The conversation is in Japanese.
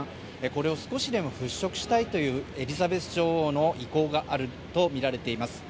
それを少しでも払しょくしたいというエリザベス女王の意向があるとみられています。